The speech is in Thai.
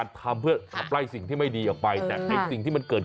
เดี๋ยวนี้คุณอย่าเพิ่งรีบสิ